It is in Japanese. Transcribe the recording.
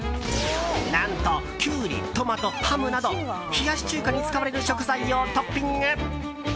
何とキュウリ、トマト、ハムなど冷やし中華に使われる食材をトッピング。